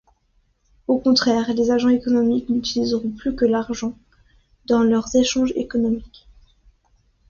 Au contraire, les agents économiques n'utiliseront plus que l'argent dans leurs échanges économiques.